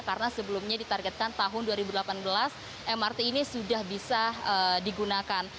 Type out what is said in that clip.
karena sebelumnya ditargetkan tahun dua ribu delapan belas mrt ini sudah bisa digunakan